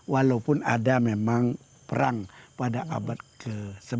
walaupun ada memang perang pada abad ke sebelas